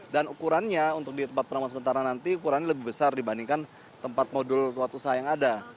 dan ukurannya untuk di tempat penampungan sementara nanti ukurannya lebih besar dibandingkan tempat modul tuat usaha yang ada